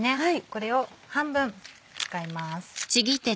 これを半分使います。